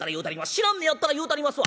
知らんねやったら言うたりますわ。